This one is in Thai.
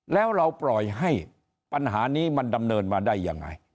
แล้วเราปล่อยให้ปัญหานี้มันดำเนินมาได้ยังไง